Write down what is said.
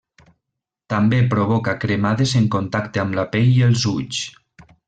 També provoca cremades en contacte amb la pell i els ulls.